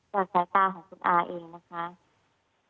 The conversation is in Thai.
สายตาของคุณอาเองนะคะ